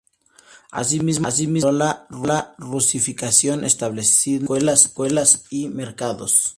Asimismo aceleró la rusificación estableciendo escuelas y mercados.